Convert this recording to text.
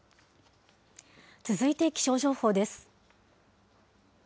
続いて気象情報です。